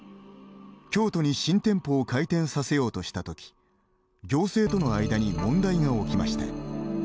京都に新店舗を開店させようとした時行政との間に問題が起きました。